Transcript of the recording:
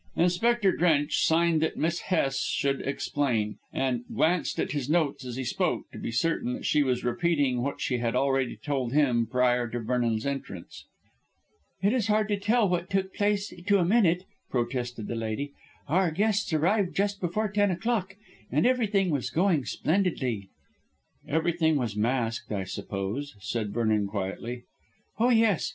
Inspector Drench signed that Miss Hest should explain, and glanced at his notes as she spoke, to be certain that she was repeating what she had already told him prior to Vernon's entrance. "It is hard to tell what took place to a minute," protested the lady. "Our guests arrived just before ten o'clock, and everything was going splendidly." "Everyone was masked, I suppose," said Vernon quietly. "Oh, yes.